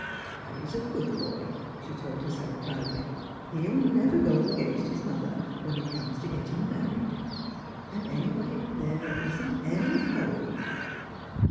" Harry's a good boy," she told herself proudly, " he'll never go against his mother, when it comes to getting married. And anyway, there isn't any hurry."